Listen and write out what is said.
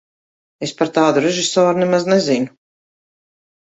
Es par tādu režisoru nemaz nezinu.